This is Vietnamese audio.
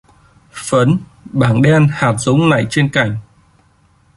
Phấn... bảng đen hạt giống nẩy trên cành..